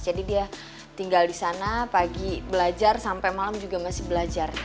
jadi dia tinggal di sana pagi belajar sampai malam juga masih belajar